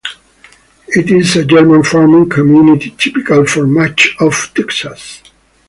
It is a German farming community typical for much of Texas.